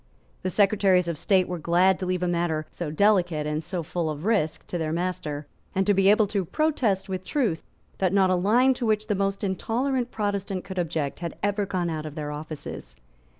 The Secretaries of State were glad to leave a matter so delicate and so full of risk to their master, and to be able to protest with truth that not a line to which the most intolerant Protestant could object had ever gone out of their offices.